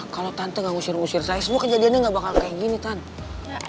kalau tante gak ngusir ngusir saya semua kejadiannya nggak bakal kayak gini tante